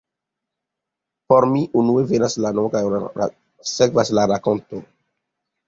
Por mi unue venas nomo kaj sekvas la rakonto.